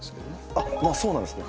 あっそうなんですね。